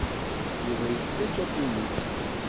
Yuba yekkes ačapun-is.